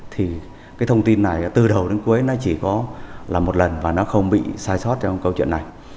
thì cái thông tin này từ đầu đến cuối nó chỉ có là một lần và nó không bị sai sót trong câu chuyện này